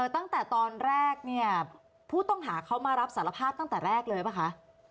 ตั้งแต่ตอนแรกเนี่ยผู้ต้องหาเขามารับสารภาพตั้งแต่แรกเลยป่ะคะ